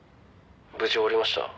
「無事終わりました？